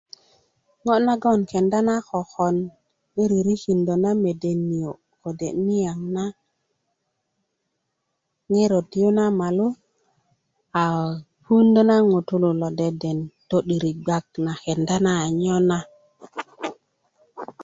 ŋo' nagon kenda na kokon i ririkindö na mede niyo kode niyaŋ na ŋerot yu na molu a puundö na ŋutulu lo deden to'diri gbak na kenda na a nyo na